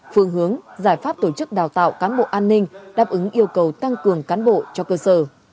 phương hướng giải pháp tổ chức đào tạo cán bộ an ninh đáp ứng yêu cầu tăng cường cán bộ cho cơ sở